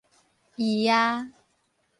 姨仔